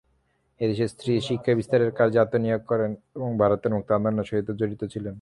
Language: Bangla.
এদেশে স্ত্রীশিক্ষাবিস্তারের কার্যে আত্মনিয়োগ করেন এবং ভারতের মুক্তি-আন্দোলনের সহিতও জড়িত ছিলেন।